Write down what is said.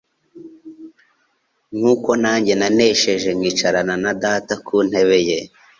nkuko nanjye nanesheje nkicarana na Data ku ntebe ye».